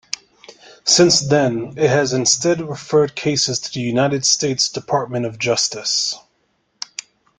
Since then, it has instead referred cases to the United States Department of Justice.